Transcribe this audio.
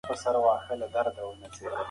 نوې نړیواله جګړه پیل شوه.